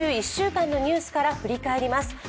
まずは今週１週間のニュースから振り返ります。